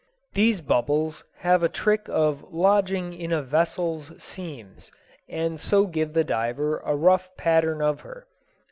These bubbles have a trick of lodging in a vessel's seams, and so give the diver a rough pattern of her.